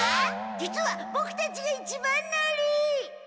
実はボクたちが一番乗り！